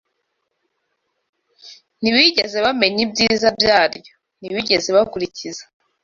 Ntibigeze bamenya ibyiza byaryo, ntibigeze bakurikiza